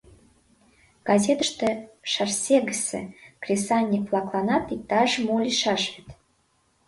Газетыште Шарсегысе кресаньык-влакланат иктаж-мо лийшаш вет.